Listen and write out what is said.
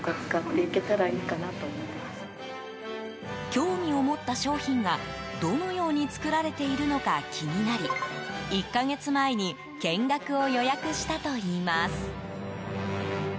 興味を持った商品がどのように作られているのか気になり１か月前に見学を予約したといいます。